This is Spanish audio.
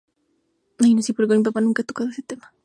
Fue un descendiente de Ayub, el padre de Saladino.